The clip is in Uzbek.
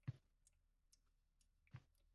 Garchi, sen otlarni xushlamasang-da bu juda hayratomuz